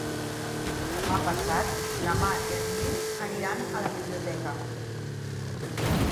Demà passat na Mar i en Nil aniran a la biblioteca.